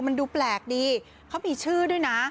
มันดูแปลกดีเขามีชื่อด้วยนะ